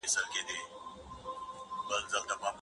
آیا خیال تر واقعیت پراخ دی؟